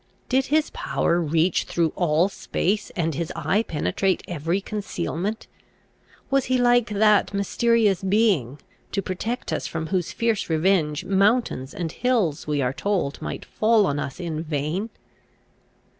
Did his power reach through all space, and his eye penetrate every concealment? Was he like that mysterious being, to protect us from whose fierce revenge mountains and hills, we are told, might fall on us in vain?